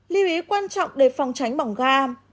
lưu ý quan trọng để phòng tránh bỏng ga